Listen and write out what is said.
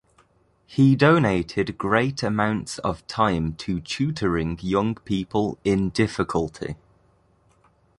He donated great amounts of time to tutoring young people in difficulty.